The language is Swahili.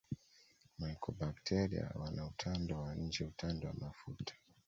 Mycobacteria wana utando wa nje utando wa mafuta